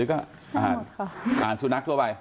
อาหารสูตรนักทั่วไป